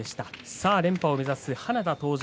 さあ、連覇を目指す花田登場。